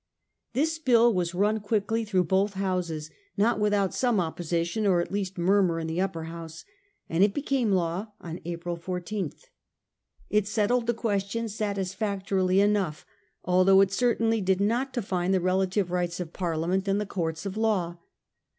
This bill was run quickly through both Houses — not without some opposition or at least murmur in the Upper House — and it became law on April 14. It settled the ques tion satisfactorily enough, although it certainly did not define the relative rights of Parliament and the courts of law.